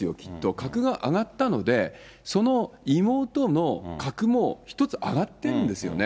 格が上がったので、その妹の格も１つ上がってるんですよね。